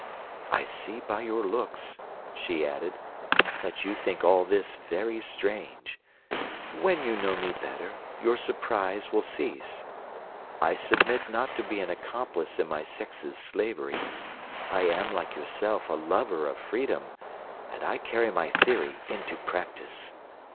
I see by your looks,' she added, 'that you think all this very strange. When you know me better, your surprise will cease. I submit not to be an accomplice in my sex's slavery. I am, like yourself, a lover of freedom, and I carry my theory into practice.